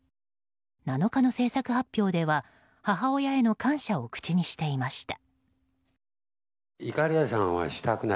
７日の制作発表では母親への感謝を口にしていました。